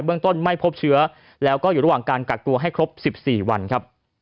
เรื่องต้นไม่พบเชื้อแล้วก็อยู่ระหว่างการกักตัวให้ครบ๑๔วันครับ